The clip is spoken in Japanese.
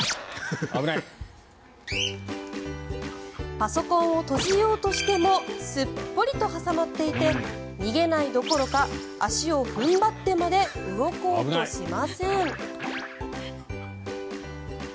パソコンを閉じようとしてもすっぽりと挟まっていて逃げないどころか足を踏ん張ってまで動こうとしません。